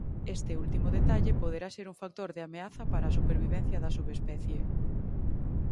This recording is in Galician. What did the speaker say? Este último detalle poderá ser un factor de ameaza para a supervivencia da subespecie.